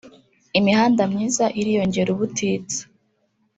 imihanda myiza iriyongera ubutitsa